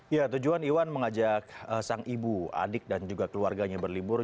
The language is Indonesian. ya tujuan iwan mengajak sang ibu adik dan juga keluarganya berlibur